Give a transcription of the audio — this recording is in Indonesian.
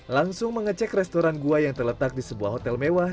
langsung mengecek restoran gua yang terletak di sebuah hotel mewah